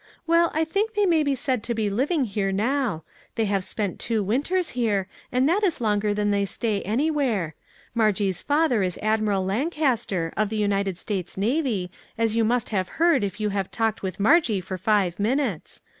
" Well, I think they may be said to be living here now. They have spent two winters here, and that is longer than they stay anywhere. Margie's father is Admiral Lancaster, of the United States Navy, as you must have heard if you have talked with Margie for five minutes.